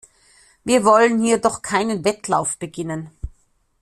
Wir wollen hier doch keinen Wettlauf beginnen.